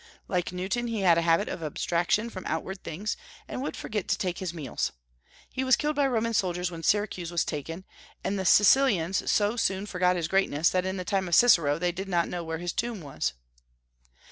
Like Newton, he had a habit of abstraction from outward things, and would forget to take his meals. He was killed by Roman soldiers when Syracuse was taken; and the Sicilians so soon forgot his greatness that in the time of Cicero they did not know where his tomb was.